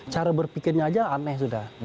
cara berpikirnya aja aneh sudah